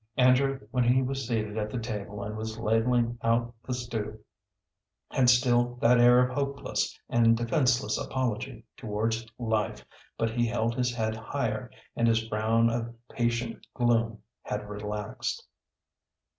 Andrew, when he was seated at the table and was ladling out the stew, had still that air of hopeless and defenceless apology towards life, but he held his head higher, and his frown of patient gloom had relaxed.